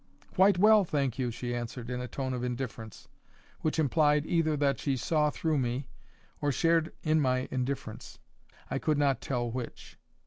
"Quite well, thank you," she answered, in a tone of indifference, which implied either that she saw through me, or shared in my indifference. I could not tell which.